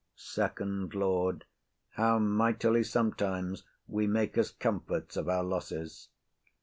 FIRST LORD. How mightily sometimes we make us comforts of our losses!